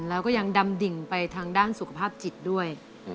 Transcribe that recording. แล้วก็ยังดำดิ่งไปทางด้านสุขภาพจิตด้วย